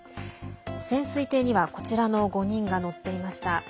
潜水艇には、こちらの５人が乗っていました。